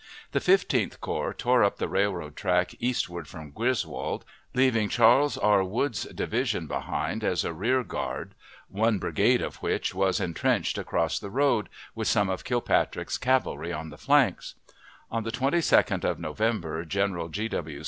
The Fifteenth Corps tore up the railroad track eastward from Griswold, leaving Charles R. Wood's division behind as a rear guard one brigade of which was intrenched across the road, with some of Kilpatrick's cavalry on the flanks. On the 22d of November General G. W.